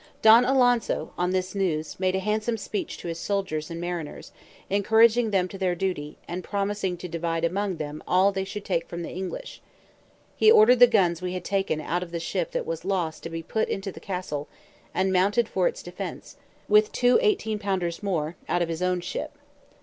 Don Alonso, on this news, made a handsome speech to his soldiers and mariners, encouraging them to their duty, and promising to divide among them all they should take from the English: he ordered the guns we had taken out of the ship that was lost to be put into the castle, and mounted for its defence, with two eighteen pounders more, out of his own ship.